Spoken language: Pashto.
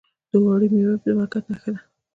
د اوړي میوې د برکت نښه ده.